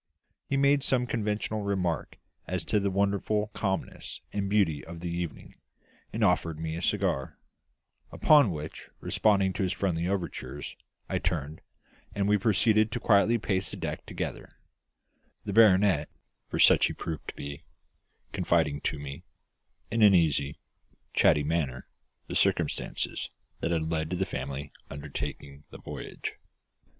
He made some conventional remark as to the wonderful calmness and beauty of the evening, and offered me a cigar; upon which, responding to his friendly overtures, I turned, and we proceeded to quietly pace the deck together; the baronet for such he proved to be confiding to me, in an easy, chatty manner, the circumstances that had led to the family undertaking the voyage.